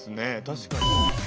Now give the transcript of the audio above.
確かに。